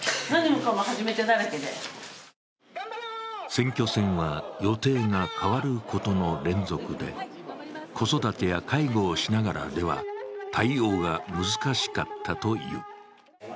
選挙戦は予定が変わることの連続で子育てや介護をしながらでは対応が難しかったという。